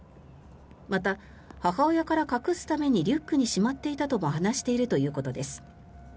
また、母親から隠すためにリュックにしまっていたとも話しているということです。